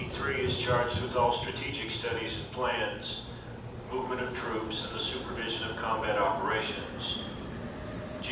3 is charged with all strategic studies and plans, movement of troops, and the supervision of combat operations; G.